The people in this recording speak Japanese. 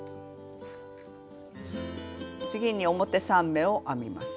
次に表３目を編みます。